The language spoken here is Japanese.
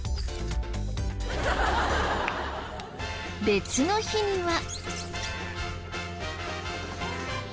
別の日には。